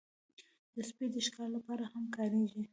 سپي د شکار لپاره هم کارېږي.